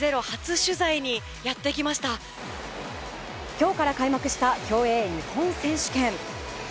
今日から開幕した競泳日本選手権。